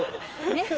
ねっ！